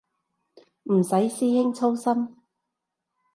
唔使師兄操心